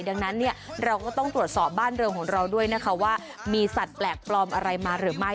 ดังนั้นเนี่ยเราก็ต้องตรวจสอบบ้านเรืองของเราด้วยนะคะว่ามีสัตว์แปลกปลอมอะไรมาหรือไม่